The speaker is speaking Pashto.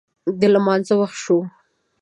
د لمانځه وخت شو